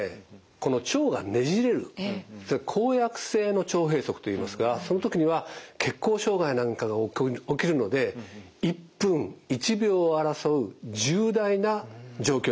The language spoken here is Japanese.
この腸がねじれる絞やく性の腸閉塞といいますがその時には血行障害なんかが起きるので１分１秒を争う重大な状況になります。